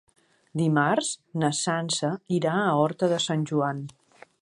Dimarts na Sança irà a Horta de Sant Joan.